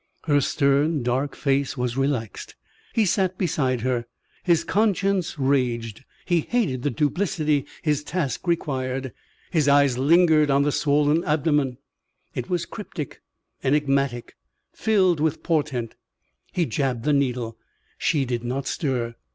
Her stern, dark face was relaxed. He sat beside her. His conscience raged. He hated the duplicity his task required. His eyes lingered on the swollen abdomen. It was cryptic, enigmatic, filled with portent. He jabbed the needle. She did not stir.